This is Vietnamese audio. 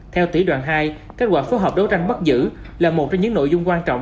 theo tỷ đoàn hai kết quả phối hợp đấu tranh bắt giữ là một trong những nội dung quan trọng